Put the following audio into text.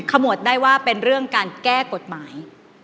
ขมวดได้ว่าเป็นเรื่องการแก้กฎหมาย